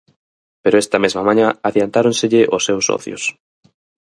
Pero esta mesma mañá adiantáronselle os seus socios.